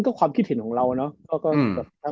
ก็ความคิดเห็นของเราเนาะ